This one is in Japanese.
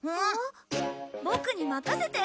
ボクに任せて！